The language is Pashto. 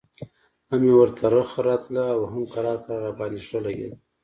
هم مې ورته رخه راتله او هم کرار کرار راباندې ښه لګېده.